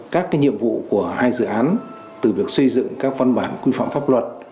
các nhiệm vụ của hai dự án từ việc xây dựng các văn bản quy phạm pháp luật